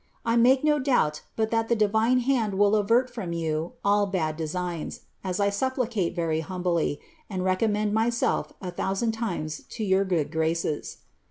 I make no doubt but that the Divine hand will avert from you all bad designs, as I supplicate very humbly, and recommend myself a thousand times to your good graces.